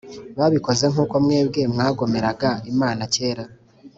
Babikoze nkuko mwebwe mwagomeraga Imana kera